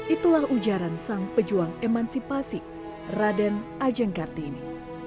itulah ujaran sang pejuang emansipasi raden ajeng kartini